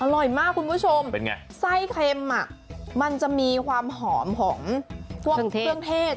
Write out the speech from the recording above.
อร่อยมากคุณผู้ชมเป็นไงไส้เค็มมันจะมีความหอมของพวกเครื่องเทศ